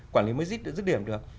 quản lý mới rứt điểm được